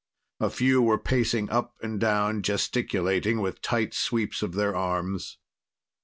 A few were pacing up and down, gesticulating with tight sweeps of their arms.